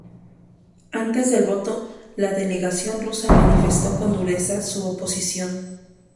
Antes del voto la delegación rusa manifestó con dureza su oposición.